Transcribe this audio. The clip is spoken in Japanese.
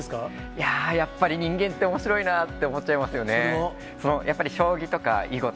いやー、やっぱり人間っておもしろいなって思っちゃいますよね。